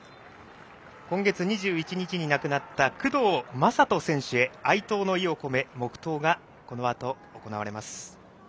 今月２１日に亡くなった工藤壮人選手へ哀悼の意を表して黙とうがこのあと行われます。